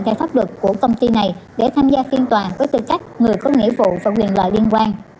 theo pháp luật của công ty này để tham gia phiên tòa với tư cách người có nghĩa vụ và quyền lợi liên quan